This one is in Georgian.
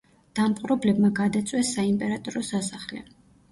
დამპყრობლებმა გადაწვეს საიმპერატორო სასახლე.